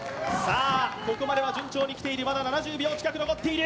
ここまでは順調にきているまだ７０秒近く残っている。